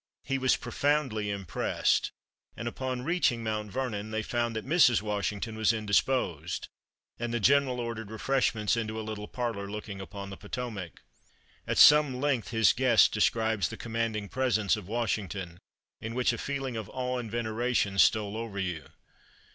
He was profoundly impressed, and upon reaching Mount Vernon they found that Mrs. Washington was indisposed, and the General ordered refreshments into a little parlor looking upon the Potomac. At some length his guest describes the commanding presence of Washington, in which "a feeling of awe and veneration stole over you."